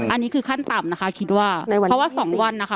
อันนี้คือขั้นต่ำนะคะคิดว่าเพราะว่าสองวันนะคะ